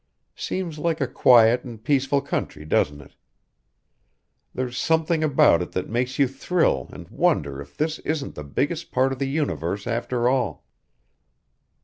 Seems like a quiet and peaceful country, doesn't it? There's something about it that makes you thrill and wonder if this isn't the biggest part of the universe after all.